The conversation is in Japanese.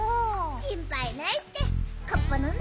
しんぱいないってカッパなんだし。